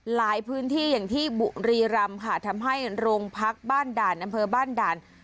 หลายพื้นที่อย่างที่บุรีรำค่ะทำให้โรงพักบ้านด่านอำเภอบ้านด่าน